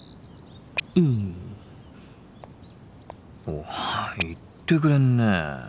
お言ってくれんねえ。